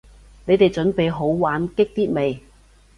你哋準備好玩激啲未？